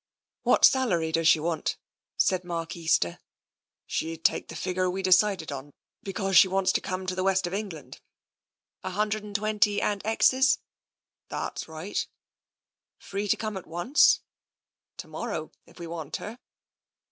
"What salary does she want? " said Mark Easter. " She'd take the figure we decided on, because she wants to come to the west of England." " A hundred and twenty and exes ?"" That's right." " Free to come at once ?"" To morrow, if we want her."